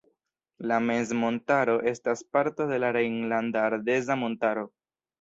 La mezmontaro estas parto de la Rejnlanda Ardeza Montaro.